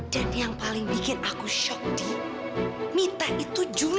dan yang paling bikin aku shock di mita itu juli